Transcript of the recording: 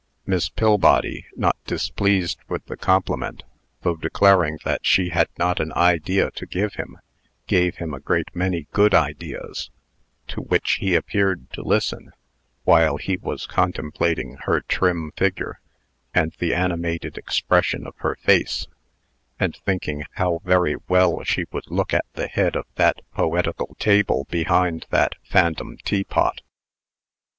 Miss Pillbody, not displeased with the compliment, though declaring that she had not an idea to give him, gave him a great many good ideas, to which he appeared to listen, while he was contemplating her trim figure, and the animated expression of her face, and thinking how very well she would look at the head of that poetical table behind that phantom teapot.